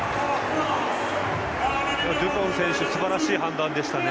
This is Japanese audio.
デュポン選手すばらしい判断でしたね。